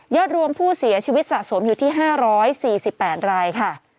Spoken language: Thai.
ยัดรวมผู้เสียชีวิตสะสมอยู่ที่ห้าร้อยสี่สิบแปนรายค่ะ